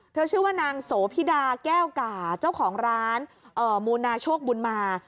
ชื่อว่านางโสพิดาแก้วก่าเจ้าของร้านมูนาโชคบุญมา